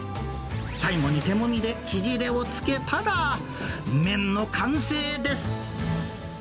最後に手もみで縮れをつけたら、麺の完成です。